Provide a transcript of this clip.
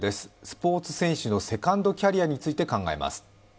スポーツ選手のセカンドキャリアについて考えます。